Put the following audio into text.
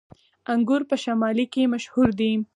انګور په شمالی کې مشهور دي